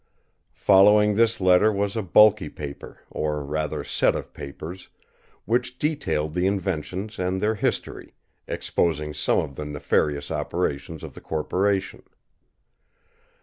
Following this letter was a bulky paper, or rather set of papers, which detailed the inventions and their history, exposing some of the nefarious operations of the corporation.